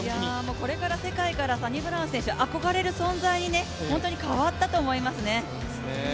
これから世界からサニブラウン、憧れられる選手に変わったと思いますね。